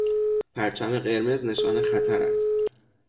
پرچم قرمز نشان خطر است.